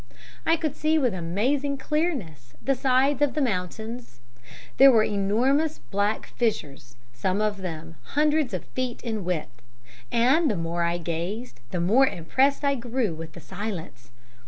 I could see with amazing clearness the sides of the mountains; there were enormous black fissures, some of them hundreds of feet in width and the more I gazed the more impressed I grew with the silence.